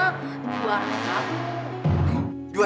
dua ada satu